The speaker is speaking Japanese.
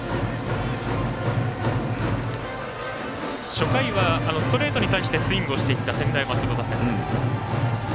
初回は、ストレートに対してスイングをしていった専大松戸打線です。